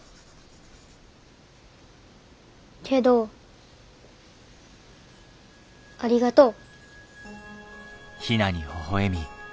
けどありがとう。